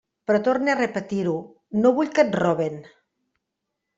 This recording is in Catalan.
Però torne a repetir-ho: no vull que et roben.